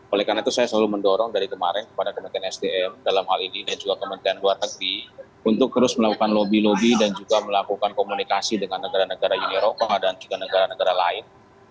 oleh karena itu saya selalu mendorong dari kemarin kepada kementerian sdm dalam hal ini dan juga kementerian luar negeri untuk terus melakukan lobby lobby dan juga melakukan komunikasi dengan negara negara uni eropa dan juga negara negara lain